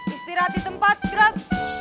istirahat di tempat gerak